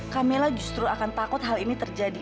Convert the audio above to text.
camela justru akan takut hal ini terjadi